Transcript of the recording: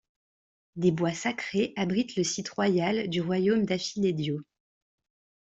Des bois sacrés abritent le site royal du royaume d’Affilédio.